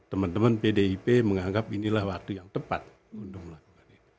teman teman pdip menganggap inilah waktu yang tepat untuk melakukan itu